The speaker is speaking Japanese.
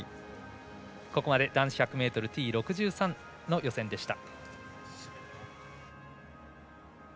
ここまで男子１００ｍＴ６３の予選でした。